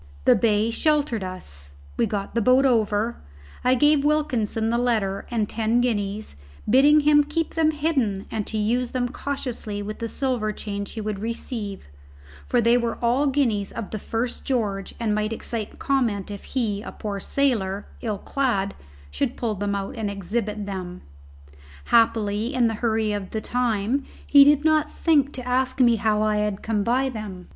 The bay sheltered us; we got the boat over; I gave Wilkinson the letter and ten guineas, bidding him keep them hidden and to use them cautiously with the silver change he would receive, for they were all guineas of the first George and might excite comment if he, a poor sailor, ill clad, should pull them out and exhibit them. Happily, in the hurry of the time, he did not think to ask me how I had come by them.